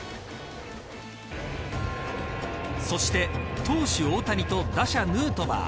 そして、投手大谷と打者ヌートバー。